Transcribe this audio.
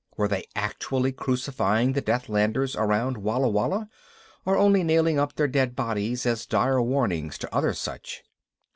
Were they actually crucifying the Deathlanders around Walla Walla or only nailing up their dead bodies as dire warnings to others such?